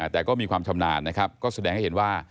แต่ก็มีความชำนาญนะครับก็แสดงให้เห็นว่า